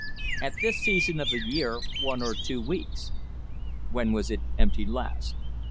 At this season of the year one or two weeks. When was it emptied last?